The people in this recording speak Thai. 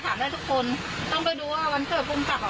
ได้ทุกคนต้องไปดูว่าวันเกิดภูมิกับอ่ะ